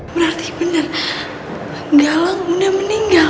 berarti bener galang udah meninggal